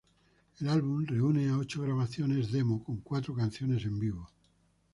El álbum reúne a ocho grabaciones demo con cuatro canciones en vivo.